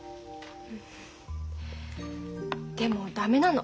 でも駄目なの。